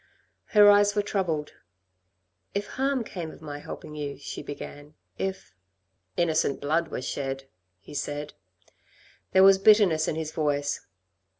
Her eyes were troubled. "If harm came of my helping you," she began, "if " "Innocent blood were shed," he said. There was bitterness in his voice.